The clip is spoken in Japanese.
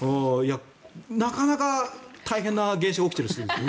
なかなか、大変な現象が起きているそうです。